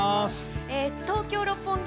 東京・六本木